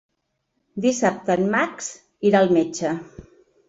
Dissabte en Max irà al metge.